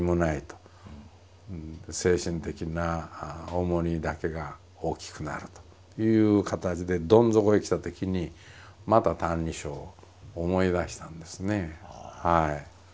精神的な重荷だけが大きくなるという形でどん底へきたときにまた「歎異抄」を思い出したんですね。